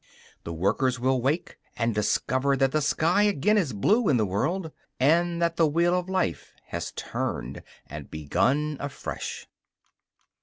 The workers will wake, and discover that the sky again is blue in the world, and that the wheel of life has turned, and begun afresh.